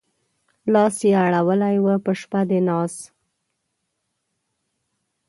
لاس يې اړولی و په شپه د ناز